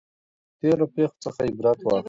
د تیرو پیښو څخه عبرت واخلئ.